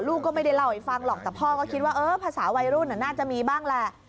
ลูกก็ไม่ได้เล่าให้ฟังหรอกแต่พ่อก็คิดว่าเออภาษาวัยรุ่นน่าจะมีบ้างแหละ